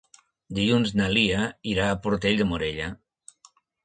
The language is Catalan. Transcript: Dilluns na Lia irà a Portell de Morella.